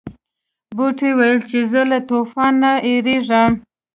بوټي ویل چې زه له طوفان نه یریږم.